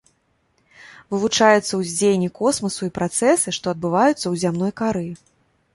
Вывучаюцца ўздзеянне космасу і працэсы, што адбываюцца ў зямной кары.